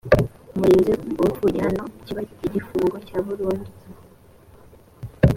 umurinzi urupfu igihano kiba igifungo cya burundu